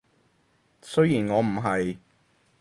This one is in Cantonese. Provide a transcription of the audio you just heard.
雖然我唔係